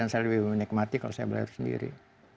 saya lebih menikmati kalau saya belajar sendiri